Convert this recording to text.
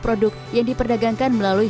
produk yang diperdagangkan melalui